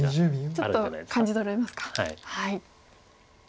ちょっと感じとれますか。